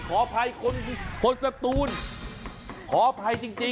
ขออภัยคนสตูนขออภัยจริง